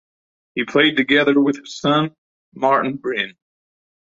He played together with his son, Martin Bryn.